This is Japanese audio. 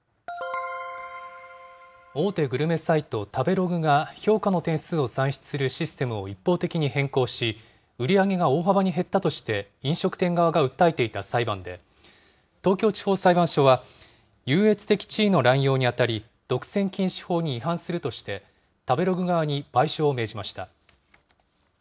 大手グルメサイト、食べログが評価の点数を算出するシステムを一方的に変更し、売り上げが大幅に減ったとして飲食店側が訴えていた裁判で、東京地方裁判所は、優越的地位の乱用に当たり、独占禁止法に違反するとして、食べログ側に賠償を命じました。